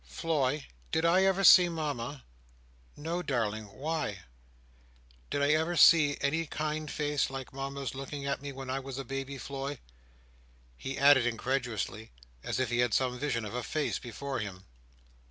"Floy, did I ever see Mama?" "No, darling, why?" "Did I ever see any kind face, like Mama's, looking at me when I was a baby, Floy?" He asked, incredulously, as if he had some vision of a face before him.